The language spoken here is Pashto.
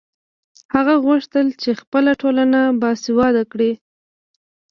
هغه غوښتل چې خپله ټولنه باسواده کړي.